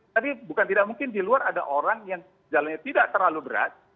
tapi bukan tidak mungkin di luar ada orang yang jalannya tidak terlalu berat